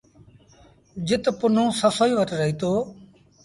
جت پنهون سسئيٚ وٽ رهيٚتو۔